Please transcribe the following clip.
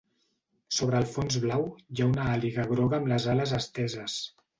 Sobre el fons blau, hi ha una àliga groga amb les ales esteses.